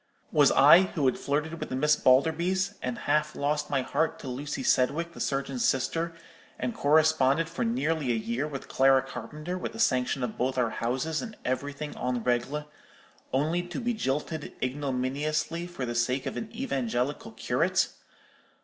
Was I, who had flirted with the Miss Balderbys; and half lost my heart to Lucy Sedwicke, the surgeon's sister; and corresponded for nearly a year with Clara Carpenter, with the sanction of both our houses, and everything en règle, only to be jilted ignominiously for the sake of an evangelical curate?